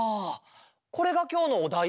これがきょうのおだい？